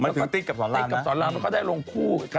มาถึงติ๊กกับสอนรามนะ